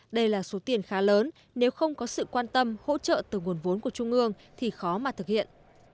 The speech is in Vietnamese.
đây là số tiền khá lớn nếu không có sự quan tâm hỗ trợ từ nguồn vốn của trung ương thì khó mà thực hiện